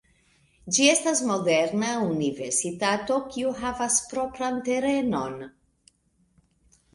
Ĝi estas moderna universitato kaj havas propran terenon.